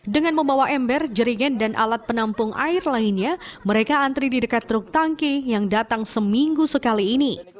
dengan membawa ember jerigen dan alat penampung air lainnya mereka antri di dekat truk tangki yang datang seminggu sekali ini